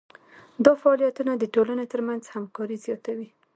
دا فعالیتونه د ټولنې ترمنځ همکاري زیاتوي.